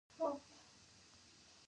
حق بريالی دی